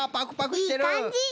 いいかんじ！